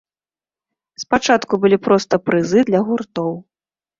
Спачатку былі проста прызы для гуртоў.